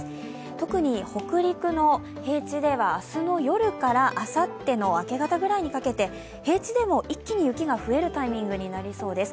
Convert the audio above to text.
特に北陸の平地では明日の夜からあさっての明け方ぐらいにかけて平地でも一気に雪が増えるタイミングになりそうです。